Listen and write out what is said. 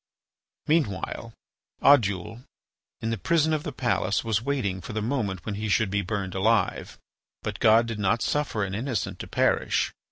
Meanwhile Oddoul, in the prison of the palace, was waiting for the moment when he should be burned alive. But God did not suffer an innocent to perish.